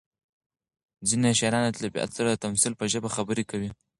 ځینې شاعران له طبیعت سره د تمثیل په ژبه خبرې کوي.